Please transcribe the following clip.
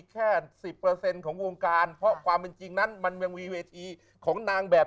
แค่๑๐ของวงการเพราะความเป็นจริงนั้นมันยังมีเวทีของนางแบบ